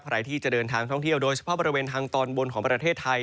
ใครที่จะเดินทางท่องเที่ยวโดยเฉพาะบริเวณทางตอนบนของประเทศไทย